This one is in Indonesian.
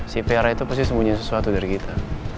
si piara itu pasti sembunyi sesuatu dari kita